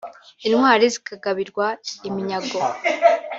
Intwari zikagabirwa iminyago